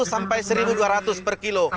enam ratus sampai satu dua ratus per kilo